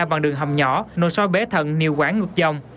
bằng đường hầm nhỏ nội sôi bế thận nịu quảng ngược dòng